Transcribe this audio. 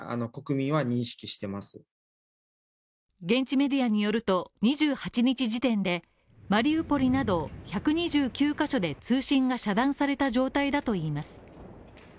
現地メディアによると、２８日時点でマリウポリなど１２９カ所で通信が遮断された状態だといいます。